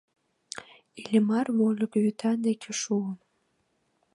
Иллимар вольык вӱта деке шуо.